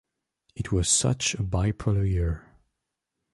It was such a bipolar year.